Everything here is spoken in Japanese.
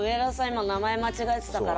今名前間違えてたから。